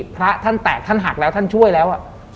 พระท่านแตกท่านหักแล้วท่านช่วยแล้ว